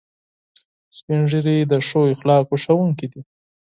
سپین ږیری د ښو اخلاقو ښوونکي دي